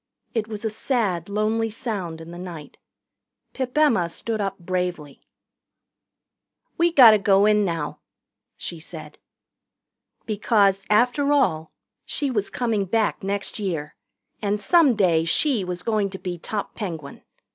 It was a sad, lonely sound in the night. Pip Emma stood up bravely. "We gotter go in now," she said. Because, after all, she was coming back next year, and some day she was going to be top Penguin.